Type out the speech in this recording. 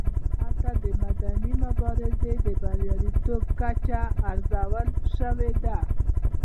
هلته د مدني مبارزې د بریالیتوب کچه ارزول شوې ده.